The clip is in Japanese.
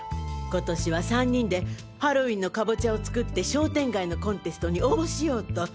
今年は３人でハロウィンのカボチャを作って商店街のコンテストに応募しようと。